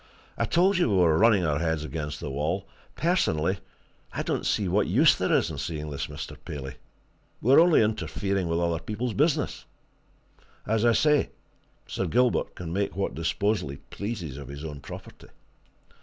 I told you we were running our heads against the wall personally, I don't see what use there is in seeing this Mr. Paley. We're only interfering with other people's business. As I say, Sir Gilbert can make what disposal he pleases of his own property."